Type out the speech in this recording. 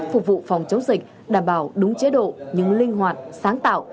phục vụ phòng chống dịch đảm bảo đúng chế độ nhưng linh hoạt sáng tạo